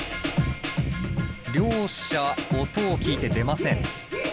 両者音を聴いて出ません。